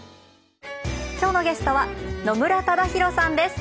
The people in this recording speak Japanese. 今日のゲストは野村忠宏さんです。